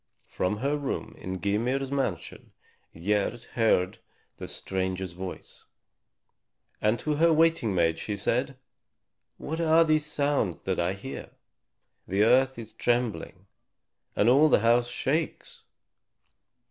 From her room in Gymir's mansion Gerd heard the stranger's voice, and to her waiting maid she said, "What are these sounds that I hear? The earth is trembling and all the house shakes."